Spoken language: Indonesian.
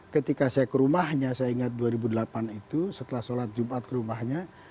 ketika saya ke rumahnya saya ingat dua ribu delapan itu setelah sholat jumat ke rumahnya